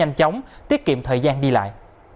nhanh chóng tiết kiệm thời gian đi lại